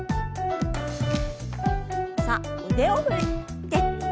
さあ腕を振って。